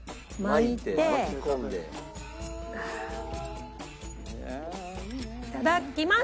いただきます！